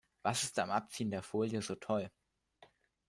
Was ist am Abziehen der Folie so toll?